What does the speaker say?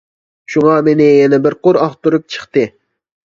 شۇڭا مېنى يەنە بىر قۇر ئاختۇرۇپ چىقتى.